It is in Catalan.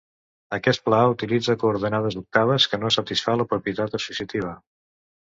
Aquest pla utilitza coordenades octaves que no satisfà la propietat associativa.